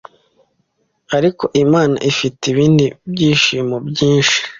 Ariko Imana ifite ibindi byishimo byinshi